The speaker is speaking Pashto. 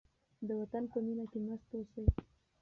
د وطن په مینه کې مست اوسئ.